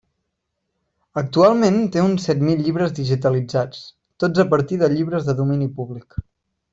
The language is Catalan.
Actualment té uns set mil llibres digitalitzats, tots a partir de llibres de domini públic.